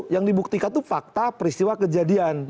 yang dibuktikan itu fakta peristiwa kejadian